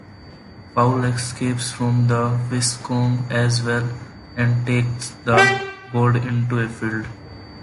Paul escapes from the Vietcong as well and takes the gold into a field.